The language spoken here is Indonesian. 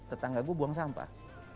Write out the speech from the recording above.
tetangga gue buang sampah